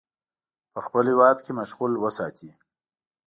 په خپل هیواد کې مشغول وساتي.